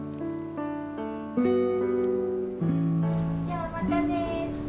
じゃあまたねって。